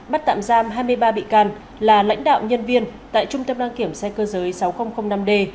bắt tạm giam hai mươi ba bị can là lãnh đạo nhân viên tại trung tâm đăng kiểm xe cơ giới sáu nghìn năm d